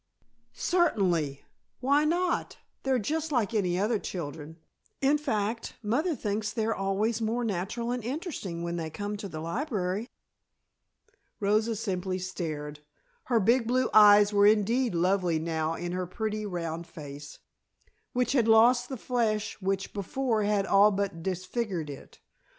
"Certainly. Why not? They're just like any other children. In fact, mother thinks they're always more natural and interesting when they come to the library." Rosa simply stared. Her big blue eyes were indeed lovely now in her pretty round face, which had lost the flesh which before had all but disfigured it.